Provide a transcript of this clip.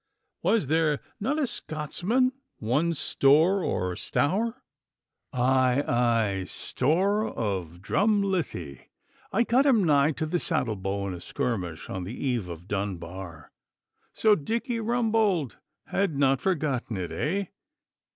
Was there not a Scotsman, one Storr or Stour?' 'Ay, ay! Storr of Drumlithie. I cut him nigh to the saddle bow in a skirmish on the eve of Dunbar. So Dicky Rumbold had not forgotten it, eh?